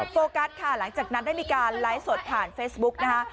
โฟกัสค่ะหลังจากนั้นได้มีการไลฟ์สดผ่านเฟซบุ๊กนะคะ